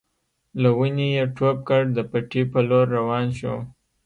له ونې يې ټوپ کړ د پټي په لور روان شو.